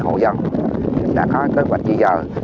chúng ta có kế hoạch gì giờ